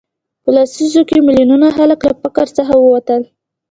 په لسیزو کې میلیونونه خلک له فقر څخه ووتل.